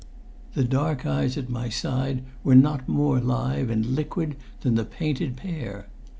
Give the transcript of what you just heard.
The dark eyes at my side were not more live and liquid than the painted pair.